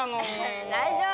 大丈夫！